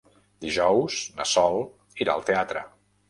Dijous na Sol irà al teatre.